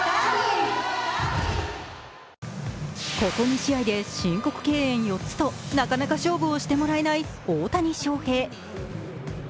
ここ２試合で申告敬遠４つとなかなか勝負をしてもらえない大谷翔平。